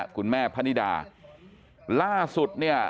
คุณแม่พนิดาล่าสุดเนี่ย